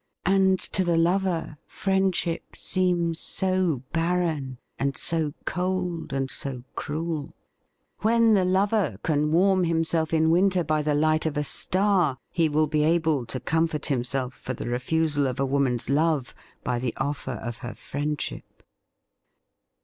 And to the lover friendship seems so barren and so cold and so cruel ! When the lover can warm himself in winter by the light of a star, he will be able to comfort himself for the refusal of a woman''s love by the offer of her friend ship.